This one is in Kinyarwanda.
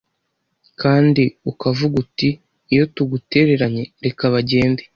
Kandi ukavuga uti, iyo tugutereranye, 'Reka bagende!'